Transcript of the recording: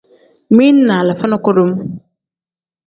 Mili ni alifa ni kudum.